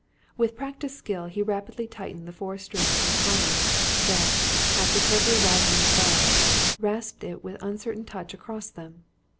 '" With practised skill he rapidly tightened the four strings into harmony; then, after carefully rosining the bow, rasped it with uncertain touch across them.